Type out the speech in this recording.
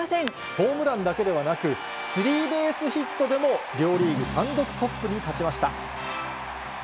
ホームランだけではなく、スリーベースヒットでも両リーグ単独トップに立ちました。